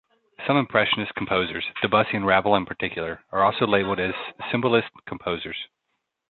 Some impressionist composers, Debussy and Ravel in particular, are also labeled as symbolist composers.